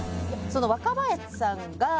若林さんが。